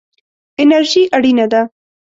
انرژي اړینه ده.